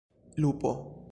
lupo